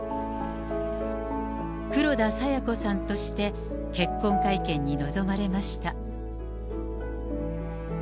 黒田清子さんとして結婚会見に臨まれました。